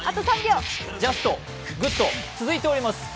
ジャスト、グッド続いています。